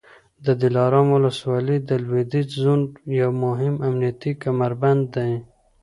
د دلارام ولسوالي د لوېدیځ زون یو مهم امنیتي کمربند دی